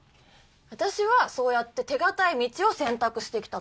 私はそうやって手堅い道を選択してきたの。